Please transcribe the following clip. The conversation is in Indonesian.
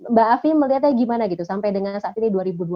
mbak afi melihatnya gimana gitu sampai dengan saat ini dua ribu dua puluh